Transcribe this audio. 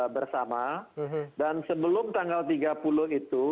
bersama dan sebelum tanggal tiga puluh itu